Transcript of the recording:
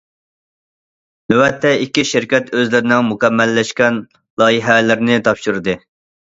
نۆۋەتتە ئىككى شىركەت ئۆزلىرىنىڭ مۇكەممەللەشكەن لايىھەلىرىنى تاپشۇردى.